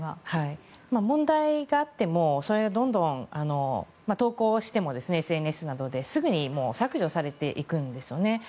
問題があってもそれをどんどんＳＮＳなどで投稿してもすぐに削除されていくんですよね。